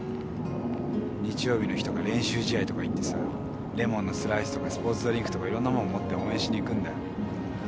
日曜日の日とか練習試合とか行ってさレモンのスライスとかスポーツドリンクとかいろんなもん持って応援しに行くんだよ。